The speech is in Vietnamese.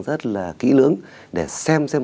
rất là kỹ lưỡng để xem xem